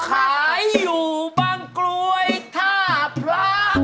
ขายอยู่บางกลวยท่าพระ